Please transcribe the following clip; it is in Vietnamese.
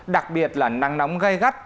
đặc biệt là nắng nóng gai gắt